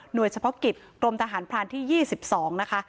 โดยเฉพาะกิจกรมทหารพรานที่๒๒นะคะ